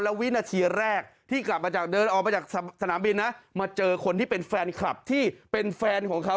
วินาทีแรกที่กลับมาจากเดินออกมาจากสนามบินนะมาเจอคนที่เป็นแฟนคลับที่เป็นแฟนของเขา